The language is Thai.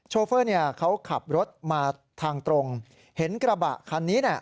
โชเฟอร์เขาขับรถมาทางตรงเห็นกระบะคันนี้นะ